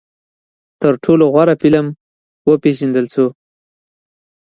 تر ټولو غوره فلم وپېژندل شو